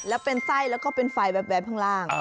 แล้วเป็นไส้แล้วก็เป็นไฟแวบข้างล่าง